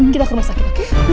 kita ke rumah sakit